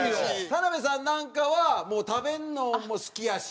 田辺さんなんかはもう食べるのも好きやし。